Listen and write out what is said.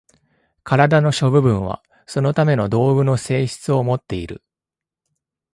身体の諸部分はそのための道具の性質をもっている。